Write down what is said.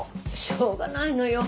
しょうがないのよ。